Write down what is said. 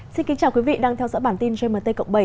xin kính chào quý vị đang theo dõi bản tin gmt cộng bảy